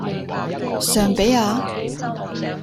尚比亞